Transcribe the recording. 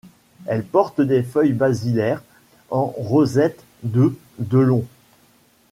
Elle porte des feuilles basilaires en rosette de de long.